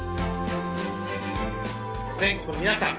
全国の皆さん